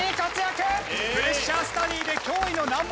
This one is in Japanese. プレッシャースタディで驚異の難問